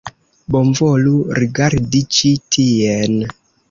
Bonvolu rigardi ĉi tien!